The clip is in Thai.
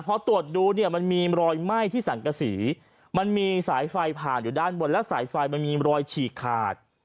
พอตรวจดูเนี่ยมันมีรอยไหม้ที่สังกษีมันมีสายไฟผ่านอยู่ด้านบนแล้วสายไฟมันมีรอยฉีกขาด